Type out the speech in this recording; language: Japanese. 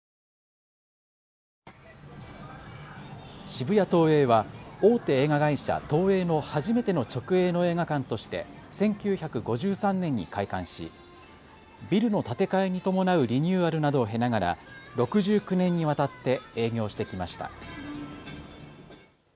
渋谷ＴＯＥＩは大手映画会社、東映の初めての直営の映画館として１９５３年に開館しビルの建て替えに伴うリニューアルなどを経ながら６９年にわたって営業してきました。